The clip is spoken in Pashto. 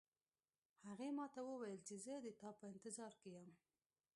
هغې ما ته وویل چې زه د تا په انتظار کې یم